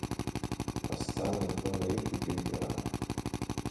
Асҭан ихы наиқәикит иара.